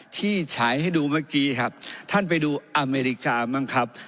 ฉายให้ดูเมื่อกี้ครับท่านไปดูอเมริกาบ้างครับ